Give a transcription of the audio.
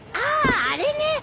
あああれね。